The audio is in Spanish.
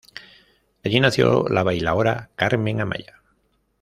Allí nació la bailaora Carmen Amaya.